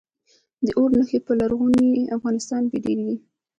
د اور نښې په لرغوني افغانستان کې ډیرې دي